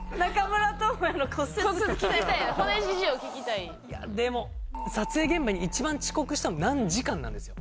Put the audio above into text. いやでも撮影現場に一番遅刻したの「何時間」なんですよ。